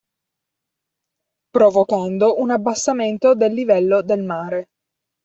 Provocando un abbassamento del livello del mare.